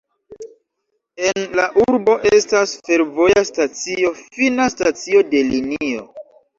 En la urbo estas fervoja stacio, fina stacio de linio.